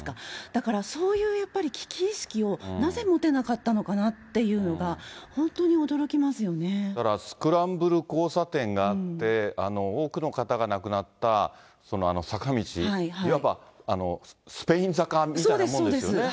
だからそういうやっぱり危機意識をなぜ持てなかったのかなっていだからスクランブル交差点があって、多くの方が亡くなったあの坂道、いわばスペイン坂みたいなもんですよね。